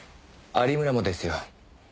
有村もですよ。